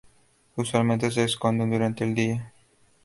Usualmente se esconden durante el día.